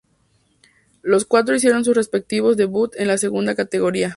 Los cuatro hicieron sus respectivos debuts en la segunda categoría.